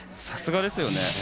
さすがですよね！